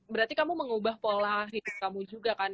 berarti kamu mengubah pola hidup kamu juga kan